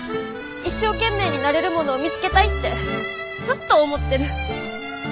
一生懸命になれるものを見つけたいってずっと思ってる。